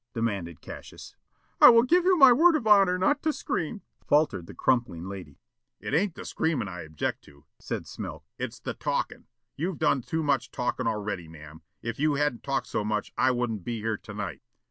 demanded Cassius. "I will give you my word of honor not to scream," faltered the crumpling lady. "It ain't the screamin' I object to," said Smilk. "It's the talkin'. You've done too much talkin' already, ma'am. If you hadn't talked so much I wouldn't be here tonight."